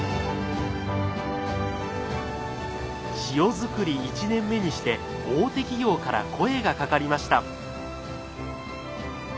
塩づくり１年目にして大手企業から声がかかりました。